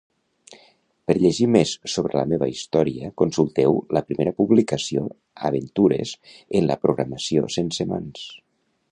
Per llegir més sobre la meva història, consulteu la meva primera publicació, Aventures en la programació sense mans.